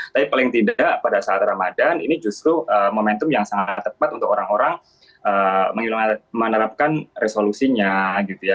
tapi paling tidak pada saat ramadhan ini justru momentum yang sangat tepat untuk orang orang menerapkan resolusinya gitu ya